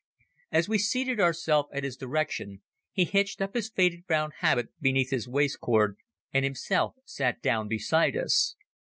As we seated ourselves at his direction, he hitched up his faded brown habit beneath his waist cord and himself sat down beside us.